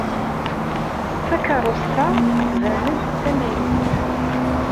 Takeṛṛust-a tettban-d d tamaynut.